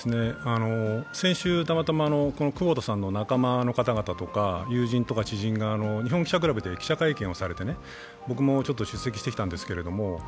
先週、たまたま久保田さんの仲間の方とか友人とか知人が日本記者クラブで記者会見されて、僕も出席してきたんですけれども。